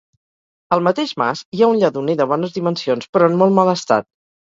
Al mateix mas hi ha un lledoner de bones dimensions, però en molt mal estat.